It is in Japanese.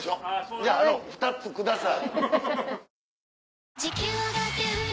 じゃあ２つください。